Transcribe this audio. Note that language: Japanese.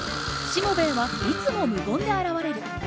しもべえはいつも無言で現れる。